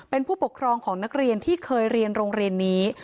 เป็นผู้ปกครองของนักเรียนที่เคยเรียนโรงเรียนนี้